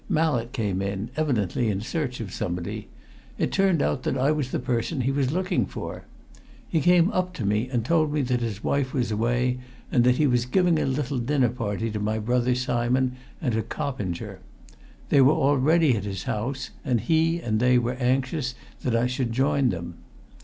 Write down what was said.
Mallett came in, evidently in search of somebody. It turned out that I was the person he was looking for. He came up to me and told me that his wife was away and that he was giving a little dinner party to my brother Simon and to Coppinger. They were already at his house, and he and they were anxious that I should join them.